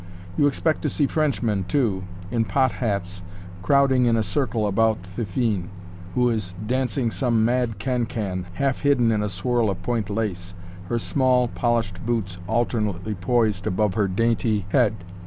You expect to see Frenchmen, too, in pot hats, crowding in a circle about Fifine, who is dancing some mad can can, half hidden in a swirl of point lace, her small, polished boots alternately poised above her dainty head.